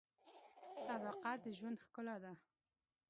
• صداقت د ژوند ښکلا ده.